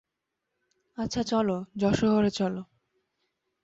আচ্ছা চলো, যশোহরে চলো।